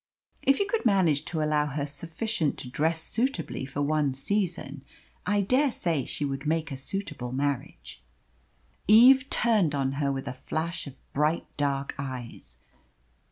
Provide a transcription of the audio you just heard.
"If you could manage to allow her sufficient to dress suitably for one season, I dare say she would make a suitable marriage." Eve turned on her with a flash of bright dark eyes.